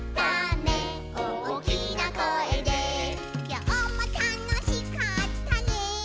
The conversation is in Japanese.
「きょうもたのしかったね」